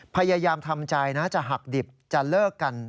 พยายามทำใจนะจะหักดิบจะเลิกกัน